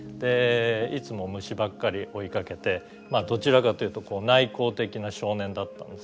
いつも虫ばっかり追いかけてどちらかというと内向的な少年だったんです。